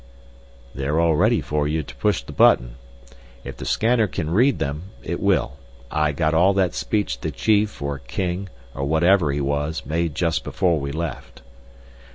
"They're all ready for you to push the button. If the scanner can read them, it will. I got all that speech the chief, or king, or whatever he was, made just before we left."